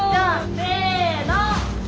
せの！